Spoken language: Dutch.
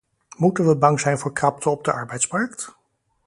Moeten we bang zijn voor krapte op de arbeidsmarkt?